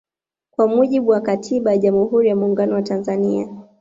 Kwa mujibu wa katiba ya jamhuri ya Muungano wa Tanzania